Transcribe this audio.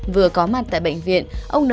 vừa có mặt tại bệnh viện